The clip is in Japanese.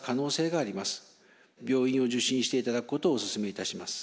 病院を受診していただくことをおすすめいたします。